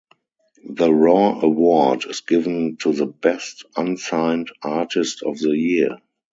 The Raw Award is given to the best unsigned artist of the year.